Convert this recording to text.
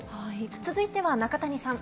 続いては中谷さん